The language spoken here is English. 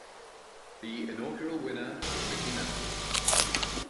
The inaugural winner was Mickey Mantle.